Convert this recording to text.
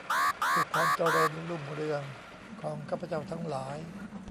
เพื่อความเจริญรุ่งเรืองของข้าพเจ้าทั้งหลาย